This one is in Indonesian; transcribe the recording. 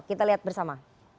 kita lihat bersama